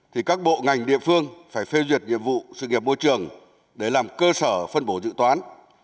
thì các bộ ngành địa phương phải phê duyệt nhiệm vụ sự nghiệp môi trường để làm cơ sở phân bổ dự toán